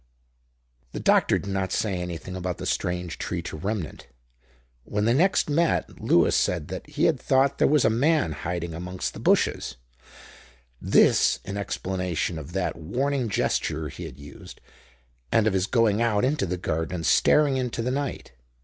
The doctor did not say anything about the strange tree to Remnant. When they next met, Lewis said that he had thought there was a man hiding amongst the bushes—this in explanation of that warning gesture he had used, and of his going out into the garden and staring into the night.